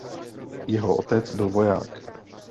Jeho otec byl voják.